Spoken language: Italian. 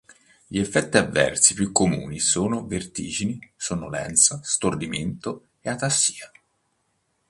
Gli effetti avversi più comuni sono vertigini, sonnolenza, stordimento, e atassia.